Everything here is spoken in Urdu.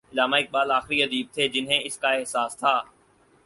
علامہ اقبال آخری ادیب تھے جنہیں اس کا احساس تھا۔